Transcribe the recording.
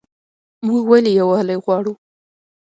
موږ ولې یووالی غواړو؟